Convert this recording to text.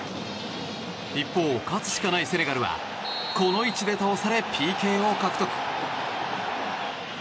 一方、勝つしかないセネガルはこの位置で倒され、ＰＫを獲得。